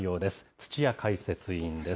土屋解説委員です。